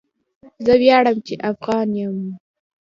زه ویاړم چې افغان یم.